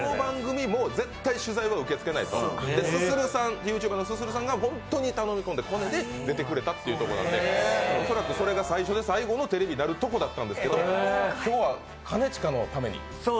絶対取材は受け付けないと、ＹｏｕＴｕｂｅｒのすするさんが本当に頼み込んだコネで出てくれるということで、恐らくそれが最初で最後のテレビになるとこだったんですけど、今日は兼近のために？